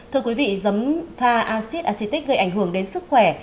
thưa quý vị giấm pha acid acetic gây ảnh hưởng đến sức khỏe